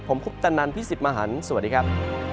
ผมคุกตันนันที่๑๐มหันธุ์สวัสดีครับ